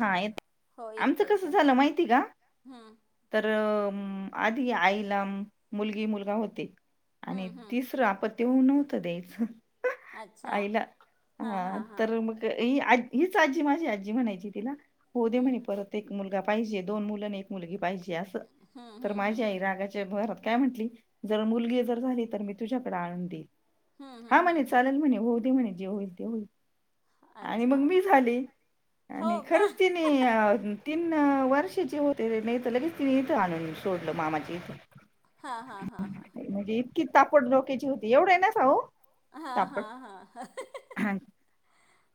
हा हो येतो आमचं कस येतोय झालं माहिती का हम्म तर म आधी आईला मुलगी मुलगा होते आणि हम्म हम्म तिसरं आपत तेव नव्हतं द्यायचं. अच्छा अला हां हां हत हां र हां मक अ [unintelligible] हीच आजी माझी आजी म्हणायची. ना होउदे हम्म म्हणे परत एक मुलगा पाहिजे दोन मुल आणि एक मुलगी पाहिजे. अस हम्म तर हम्म माझ्या आई रागाच्या भर काय म्हटली जर मुलगी जर झाली तर मी तुझ्याकडे आणून देईल. हम्म हा हम्म म्हणे हम्म. चालेल म्हणे होऊ दे म्हणे जे होईल ते होईल. आणि अच्छा मग मी झाली हो आणि का खरंच तिने हे तीन वर्षाचे होते नाही तर लगेच तिने इथं आणून सोडलं मामाचे इथून हां हां हां हां म्हणजे इतकी तापट डोक्याची होती. एवढं पण नसावं हां तापट हां हां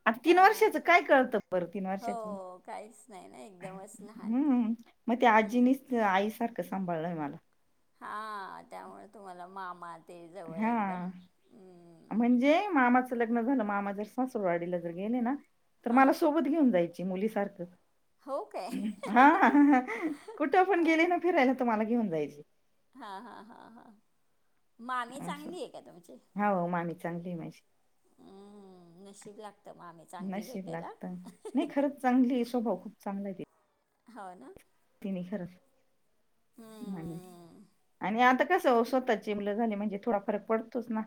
आता तीन वर्षाच हां काय कळत बरं तीन हो वर्षाच काहीच नाही ना एकदमच लहान हम्म मग ते आजीनीच आईसारखं सांभाळलंय मला हा त्यामुळे तुम्हाला मामा मच [unintelligible] हा म्हणजे मामाच लग्न झालं मामा जर सासूरवाडीला जर गेले ना तर मला हां सोबत घेऊन जायचं. मुली सारखं हो काय हा ह कुठं पण गेले हां ना फिरायला त मला घेऊन जायचे. हां हां हां हां. मामी चांगली आहे का तुमची हो मामी चांगली माझी हम्म नशीब लागतं मामी चांगली नशीब भेटायला लागत नाही खरंच चांगली स्वभाव खूप चांगला ते हो ना तिने [unintelligible] खरच म्ह हम्म. आणि आता कसं ओ स्वतः ची मुलं झाले म्हणजे थोडा फरक पडतोच ना.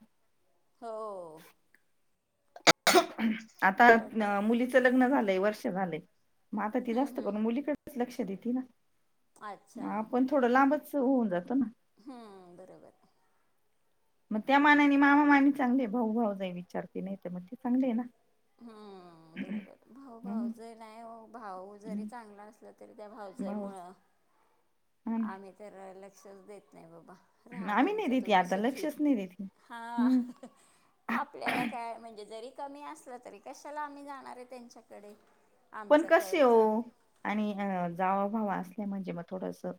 हो पडतं. आता मुलीचं लग्न झालंय वर्ष झालंय. मग ती हम्म, जास्त हम्म. करून मुलीकडेच लक्ष देती ना. अच्छा. ह आपण थोडं लांबच. होऊन जात ना. हम्म बरोबर. मग त्या मानाने मामा मामी चांगले भाऊ भाऊजय विचारते नाही तर मग ते चांगले ना. हम्म बरोबर भाऊ हम्म भाऊजय नाही भाऊ जरी हम्म, चांगला असला तरी त्या भाऊजय भाऊ मुळ. हा आम्ही तर. लक्ष चं देत नाही बाबा. ना राहा आम्ही नाही तुमच देते तुम्ही आता सुखी लक्षच नाही देते हा हम्म आपल्याला काय म्हणजे जरी. कमी असत. तरी कशाला आम्ही जाणार आहे त्यांच्याकडे. पण आमचं कसे कर हो चांग आणि अ जाव भावा. म्हणजे मग थोडंसं.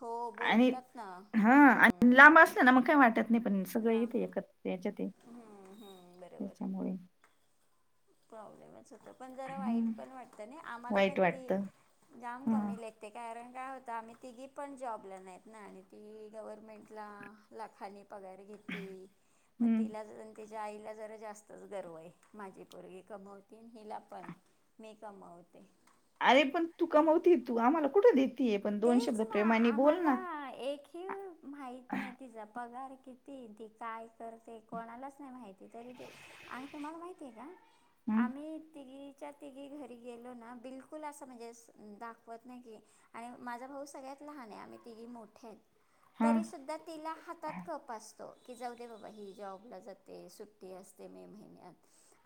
हो आणि बोलतात ना. हा आणि हम्म. लांब असला ना मग काही वाटत नाही पण सगळ लांब इथे एकत याच्यात हम्म, हम्म. त्याच्यामुळे. ले [inaudible] [unintelligible] होतं पण जरा वाईट हम्म पण वाटतं नाही आम्हाला वाईट पण ती वाटत हा जाम कमी लेखते त कारण. काय होतं आम्ही तिघी पण जॉबला नाहीत ना आणि ती गव्हर्मेंटला ला लाखाने. पगार घेती मग हम्म. तिला. माझ्या आईला जरा जास्तच गर्व आहे माझी. पोरगी कमवती हिला पण मी कमवते. अरे पण तू कमवते तू आम्हाला कुठं देत. तेय पण दोन शब्द प्रेमाने बोल ना. कि माहित नाही तिचा पगार किती ती काय करते कोणालाच नाही माहिती तरी ते आणि तुम्हाला माहितीय का. हम्म आम्ही तिघी. च्या तिघी घरी गेलो ना बिलकुल असं म्हणजे दाखवत नाही कि. आणि माझा भाऊ सगळ्यात लहान आहे आम्ही तिघे मोठ्या आहेत. हा तरी सुुद्धा तिला हातात कप असतो. तो की जाऊ दे बाबा ही जॉबला जाते सुट्टी असते मे महिन्यात.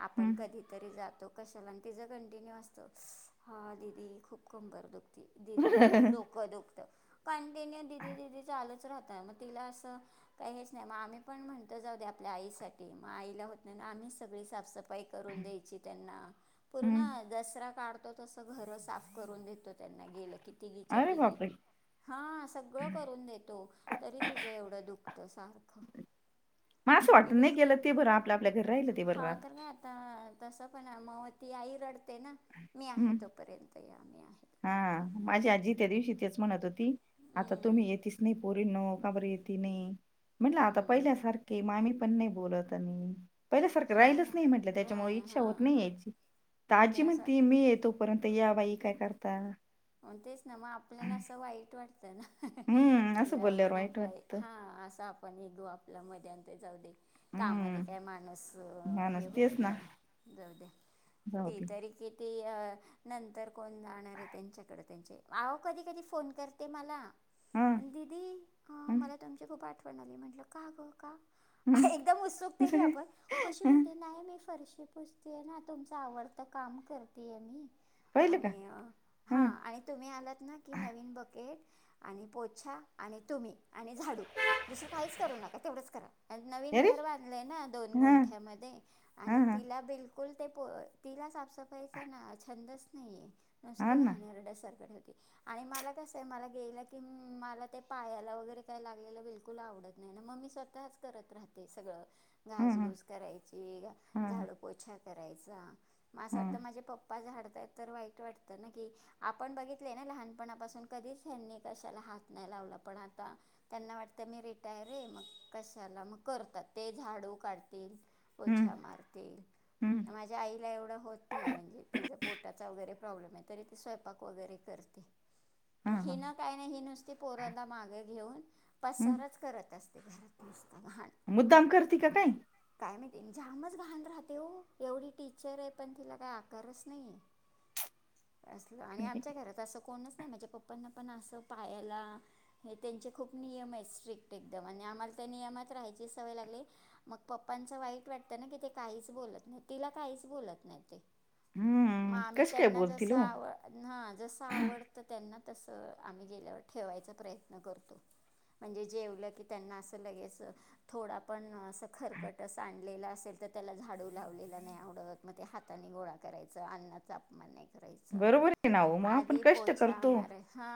आपण हम्म कधीतरी जातो. का तिज कंटिन्यू असत हा दीदी खूप कंबर दुख- ते दीदी. खूप डोक दुखत कंटिन्यू दीदी दीदी चालत. राहत मग तिला अस काही हेच नाही म आम्ही पण म्हणत जाऊ दे आपल्या आई साठी मग आईला होत नाही आम्ही सगळी साफसफाई करून द्यायची. त्यांना पूर्ण हम्म दसरा काढतो तस घर साफ करून देतो त्यांना गेलं की. तिघीच्या अरे तिघी बापरे! हा सगळं करून देतो तरी तिचं एवढं दुखत सारखं. मला असं ती वाटत नाही बिलकुल केलं ते बर आपल्या आपल्या घरी राहिल ते हा राहत. तर काय आता तसं पण मग ती आई रडते ना. मी आहे हम्म. तोपर्यंत या मी आहे हा तोपर्यंत. माझी आजी त्या दिवशी तेच म्हणत होती. आता हम्म तुम्ही येेतीच नाही पोरीनो. का? बर येती नाही. म्हणलं आता हम्म पहिल्यासारखे मामी नाही. पण नाही बोलावतानी. पहिल्यासारखं हा राहिलच ना नाही. म्हंटलं राय त्याच्यामुळे इच्छा हां होत नाही हां याची त ते आजी म्हणती. असं ती वाटतं मी ये तोपर्यंत. या बाई! काय करता? म तेच ना मग आपल्याला असं वाईट वाटत. हम्म असं बोलल्यावर कीण वाईट आपला वाटत हा असा आपण एक गो- मध्ये आंत जाऊदे. कामाने हम्म काही माणसं, हे माणूस तेच होत ना नाही जाऊदे ती जाऊदे तरी किती? अ नंतर कोण? त्यांच्याकड त्यांचे कधी? कधी? फोन करते मला हा आणि दीदी हा, मला तुमची खूप आठवण- म्हणाली म्हटलं का गं का? [unintelligible] हम्म एकदम उत्सुकते आपण कशी? म्हणते नाही मी फर- ही पुसतीय ना तुमच आवडत काम करतेय मी? पाहिलं का आणि हा आणि तुम्ही आलात ना की नवीन ब- केट आणि पोछा आणि तुम्ही. आणि झाडू दुसरं काहीच करू नका तेवढंच करा नवीन अरे घर बांधलं आहे ना दोन हा गुंठ्यामध्ये हा आणि हा तिला बिलकु कुल ते तिला साफसफाईचा छंदच नाहीये. हा ते ना घाणारडे सारखं राह आणि मला कसं गेल की मला ते आणि मला कसं पायाला वगैरे काय लागलेलं बिलकुल आवडत नाही ना मग मी स्वतःच करत राहते सगळं. हा हा घासगूस करायची हा झाडू पोछा करायचा. मग असं हा वाटतं माझे प पप्पा झाडताय तर वाईट वाट की आपण बघितले ना लहानपणापासून कधीच त्यांनी कशाला हात नाही. लावला पण आता त्यांना वाटतं मी रिटायर आहे. मग कशाला मग करतात ते झाडू काढतील. पोछा हम्म मारतील हम्म माझ्या आईला एवढं होत नाही म्हणजे तिचा पोटाचा वगैरे. प्रॉब्लेम आहे. तरी ते स्वयंपाक वगैरे करते. हा मग हा हि ना काही नाही हि नुसती पोरांना मागाय घेऊन हम्म पसारच करत असत मुद्दाम करती का काय. काम माहिती झ्यामच घाण राहते हो, एवढी टीचर आहे पण तिला काही आकारच नाही. असलं आणि आमच्या घरात असं कोणच नाही माझ्या पप्पांना पण असं पायाला, हे त्यांचे खूप नियम आहेत. स्ट्रिक्ट एकदम आणि आम्हाला त्या नियमात राहायची सवय लागली, मग पप्पांचं वाईट वाटतं ना की ते काहीच बोलत नाही. तिला काहीच बोलत नाही ते मग हम्म आम्ही कशी काय त्यांना जस बोलतील हो हा जस आवडतं त्यांना तसं आम्ही गेल्यावर ठेवायचा प्रयत्न करतो. म्हणजे, जेवलं की त्यांना असं लगेच... थोडं पण अस खरकटं सांडलेलं असेल, तर त्याला झाडू लावलेला नाही आवडत. मग ते हाताने गोळा करायचं. अन्नाचा अपमान नाही. करा बरोबर आहे ना हो मग आपण आधी कष्ट पोछा करतो म हा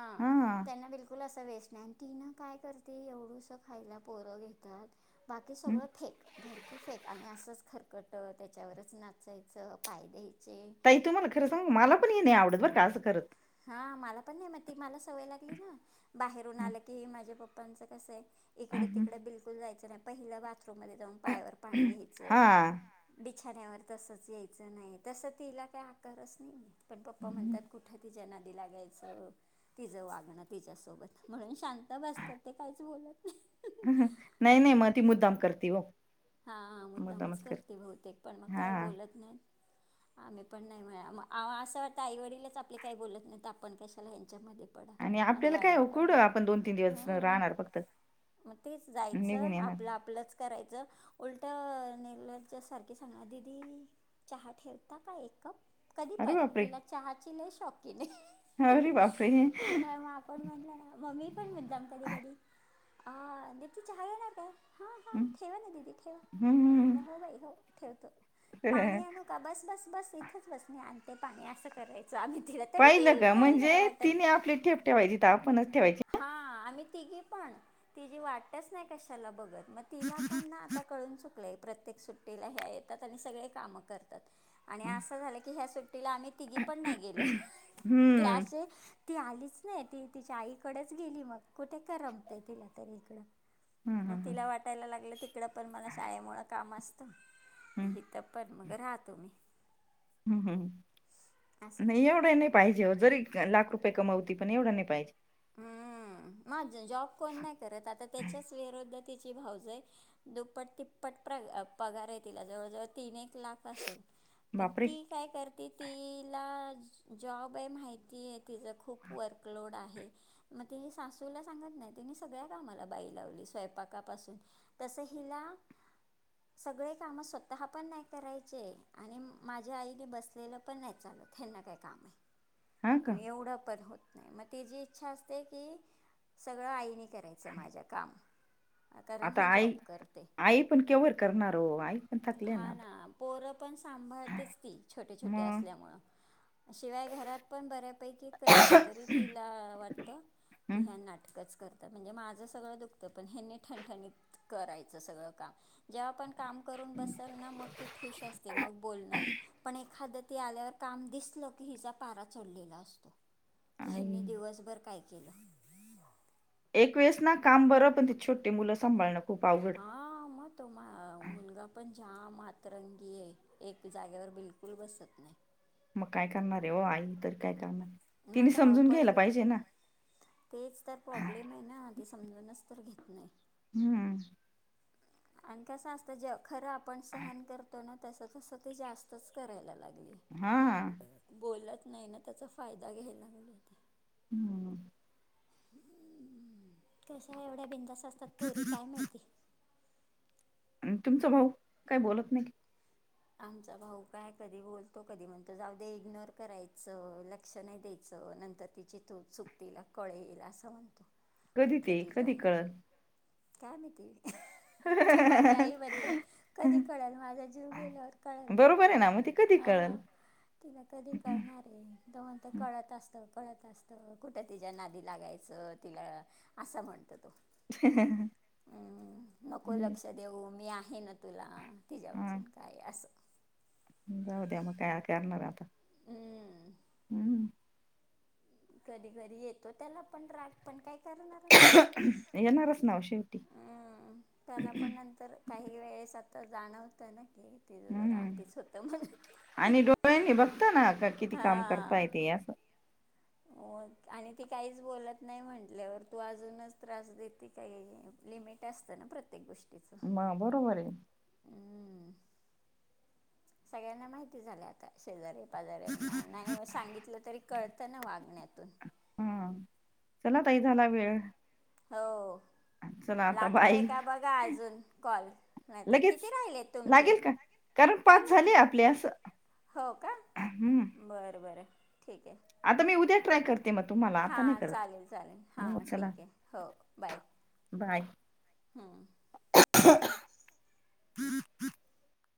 त्यांना बिलकुल अस वेच तीन काय करते एवढस खायला पोरं घेतात बाकी हम्म. सगळं फेक धरकी फेक आणि असंच खरकट त्याच्यावरच नाचायचं पाय द्यायचे ताई तुम्हाला खरं सांग मला पण ये नाही आवडत बरं का असं करत हा मला पण नाही मति मला सवय लागली ना बाहेरून हम्म. आलं की माझे पप्पा पप्पांचा कसय इकडे-तिकडे बिलकुल जायचं नाही पहिलं वा मग जाऊन पायावर पाणी घ्यायच हा. बिछाान्यावर तसच यायचं नाही तसं तिला काय आकारच नाही आहेत. पण पप्पा हम्म. म्हणतात कुठं तिच्या नदीलागायच तिचं वागणं तिच्यासोबत म्हणून शांत बसतात. ते काहीच बोलत नाही. नाही-नाही म ती मुद्दाम करती हो, हा मुद्दामच करते बहुतेक पण मग काही हा. बोलत नाही आम्ही पण नाही म्हणा असं वाटत आई वडीलच आपले काही बोलत नाही आपण कशाला प आणि आपल्याला काय वाईट हो प् कुठं आपण दोन तीन दिवस राहणार फक्त मग तेच निघून जायचं येणार आपलं आपलंच करायचं उलट नेल्याच्या सारखे सांगणार दीदी चहा ठेवता का एक कप. कधी प अरे बापरे! तिला चहाची लेस्ट रोकीने, अरे बापरे! आपण म्हटलं ना मम्मी पण मुद्दाम कधी कधी अ दीप्ती चहा घेणार काय? हां हां ठेवा ना दीदी म हम्म म्हणालं हो बाई हो ठेवतो. पाणी आणू का बस बस बस इथच बस मी आण ते पाणी असं कराय पाहिलं का म्हणजे तिनी आपली ठेप ठेवायची त आपणच ठेवायची. हा आम्ही तिघी पण तिजी वाटच नाय कशाला बघत. मग तिला पण ना आता कळून चुक लय प्रत्येक सुट्टीला ह्या येतात आणि सगळे काम करतात आणि असं झालं की ह्या सुट्टीला आम्ही तिघी पण नाही गेलो ते हम्म असे ती आलीच नाही ती तिच्या आई कडेच गेली मग कुठे करमतय तिला तरी इकडं हम्म मग हम्म तिला वाटायला लागलं तिकडं पण मला शाळेमुळ काम असतं हम्म इथ पण मग रहा तुमी हम्म हम्म. नाही एवढं ही नाही पाहिजे ओ जरी लाख रुपय ये कमवती पण एवढं नाय पाहिजे. हम्म मा जॉब कोण नाय करत आता त्याच्याच विरोधत तिची भाऊजय आहे दुप्पट तिप्पट प्र पगार आहे तिला जवळजवळ तीन एक लाख असल. पण बापरे ती काय करते. तिला जॉब ये माहिती ये तिज खूप वर्कलोड आहे. मग तिनी सासूला सांगत नाही तिने सगळ्या कामाला बाई लावली स्वयंपाकापासून तस हिला सगळे काम स्वतः पण नाय करायचे आणि माझ्या आईने बसलेलं पण नाय चालत ह्यांना काय काम आहे. हा का आणि एवढा पण होत नाय मग तिजी इच्छा असते की सगळं आईनी करायचं माझ्या काम कारण आता ही आई जॉब करते आई पण केव्हर करणार ओ आई पण थकल्या ना हा आता पोरं पण सांभाळतेच ती छोटे छोटे मग असल्यामुळ शिवाय घरात पण बऱ्यापैकी करते तरी तिला त की ह्या हम्म, नाटक कच करतात म्हणजे माझं सगळं दुखत पण ह्यांनी ठणठणीत करायचं सगळं कामं जेव्हा पण काम करून बसल ना मग ती खुश असते मग बोलणार पण एखाद ती आल्यावर काम दिसलं की हिचा पारा चढलेला असतो. की आई ह्यांनी दिवस काय केलं. एक वेळेस ना काम बरं पण ती छोटे मुलं सांभाळन हा म तो मा मुलगा पण जाम अतरंगी ये एक जागेवर बिलकुल बसत नाय. मग काय करणार आहे हो आई तरी काम हाय मग धावपळ कतीे तेच तर प्रॉब्लेम आहे ना [inaudible] हम्म. आणि कसं असतं खरं आपण सहन करतो ना त तस ते जास्तच करायला लागे हा हा. नाही ना त्याचा फायदा घ्यायला हम्म. कशा एवढ्या बिदा असतात पोरी काय माहिती तुमचं भाऊ काही बोलत नाही आमचा भाऊ काय कधी बोलतो कधी म्हणतो जाऊ दे इग्नोर करायचं लक्ष नाही द्यायचं नंतर तिची तूत् चुकतीला कळेल असं म्हणतो. कधी ते कधी कळत, का माहिती कि माझी आई म्हणते कधी कळल माझा जीव गेल. आहे ना मग ते कधी कळल. तिला कधी कळणार हाज्य दोन ते कळत असत कळत असत कुठ तिच्या नादी लागायचं तिला असं म्हणत हम्म. हाय ना तुला हा [unintelligible] जाऊ द्या मगं काय करणार आता हम्म. हम्म. कधी कधी येतो त्याला पण राग पण काय करणार आता येणारच नाव शिव हम्म त्याला पण नंतर काही वेळेस आता जाणवत नाही हम्म आणि डोळ्यांनी बघताना का किती काम करता हा येते असं आणि ती काहीच बोलत नाही म्हटल्यावर तू अजूनच त्रास देते काही लिमिट असतं ना प्रत्येक गोष्टी. मगं बरोबर आहे. हम्म. सगळ्यांना माहिती झालं आता शेजारी जऱ्यांना नाही म सांगितलं तरी कळतं ना वागण्यातून हा चला ताई झाला वेळ हो. चला आता बाय लागतोय का बघा अजून कॉल नाहीत लगेच किती राहिले तुमचे लागेल का? कारण काय पाच माती झाले आपले असं हो का हम्म बर बर आता मी उद्या ट्रय कर हा चालेल चालेल हा हो चला ठीक आहे हो बाय बाय. हम् तिर